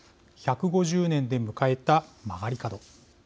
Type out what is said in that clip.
１５０年で迎えた曲がり角。